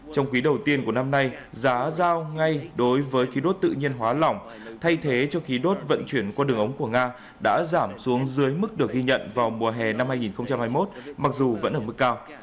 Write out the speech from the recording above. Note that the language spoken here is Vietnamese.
trong quý đầu tiên của năm nay giá giao ngay đối với khí đốt tự nhiên hóa lỏng thay thế cho khí đốt vận chuyển qua đường ống của nga đã giảm xuống dưới mức được ghi nhận vào mùa hè năm hai nghìn hai mươi một mặc dù vẫn ở mức cao